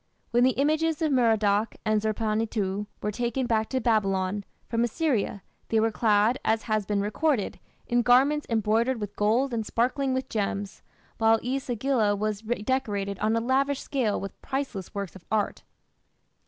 When the images of Merodach and Zerpanituᵐ were taken back to Babylon, from Assyria, they were clad, as has been recorded, in garments embroidered with gold and sparkling with gems, while E sagila was redecorated on a lavish scale with priceless works of art.